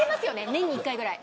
年に１回ぐらい。